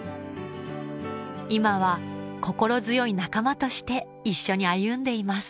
今は心強い仲間として一緒に歩んでいます